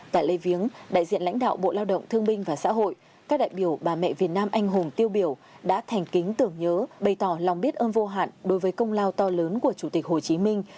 tại lê viếng đại diện lãnh đạo bộ lao động thương minh và xã hội các đại biểu bà mẹ việt nam anh hùng tiêu biểu đã thành kính tưởng nhớ bày tỏ lòng biết ơn vô hạn đối với công lao to lớn của chủ tịch hồ chí minh